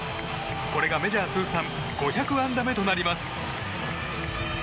これがメジャー通算５００安打目となります。